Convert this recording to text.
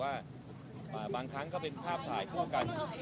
ถามว่าความสำคัญเนี่ย